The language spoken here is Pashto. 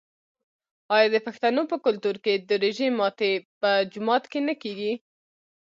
آیا د پښتنو په کلتور کې د روژې ماتی په جومات کې نه کیږي؟